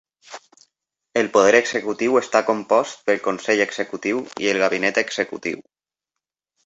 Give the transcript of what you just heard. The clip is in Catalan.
El poder executiu està compost pel Consell Executiu i el Gabinet Executiu.